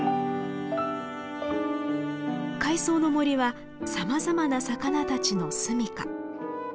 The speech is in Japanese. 海藻の森はさまざまな魚たちの住みか。